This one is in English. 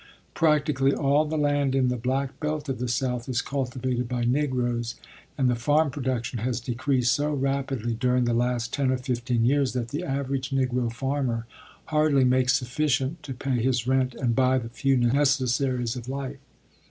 Practically all the land in the black belt of the South is cultivated by Negroes and the farm production has decreased so rapidly during the last ten or fifteen years that the average Negro farmer hardly makes sufficient to pay his rent and buy the few necessaries of life.